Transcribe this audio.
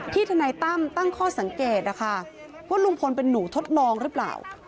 ทนายตั้มตั้งข้อสังเกตนะคะว่าลุงพลเป็นหนูทดลองหรือเปล่า